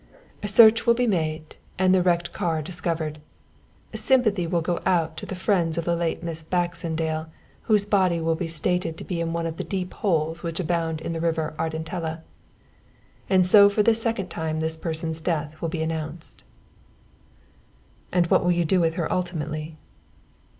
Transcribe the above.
"Search will be made and the wrecked car discovered. Sympathy will go out to the friends of the late Miss Baxendale, whose body will be stated to be in one of the deep holes which abound in the River Ardentella. And so for the second time this person's death will be announced." "And what will you do with her ultimately?"